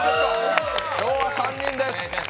今日は３人です。